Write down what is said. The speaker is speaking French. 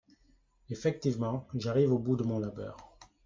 Effectivement, j'arrive au bout de mon labeur